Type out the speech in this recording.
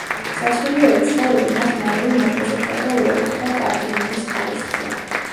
სასულიერო ცხოვრება მას მალევე მობეზრდა და უარი თქვა კარდინალის ხარისხზე.